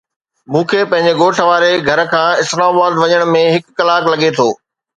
مون کي پنهنجي ڳوٺ واري گهر کان اسلام آباد وڃڻ ۾ هڪ ڪلاڪ لڳي ٿو.